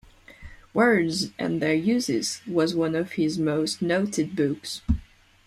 "Words and Their Uses" was one of his most noted books.